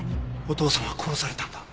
お父さんは殺されたんだ。